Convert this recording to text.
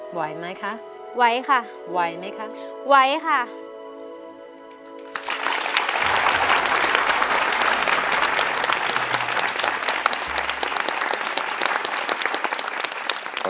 ไหวไหมคะไหวค่ะไหวไหมคะไหวค่ะ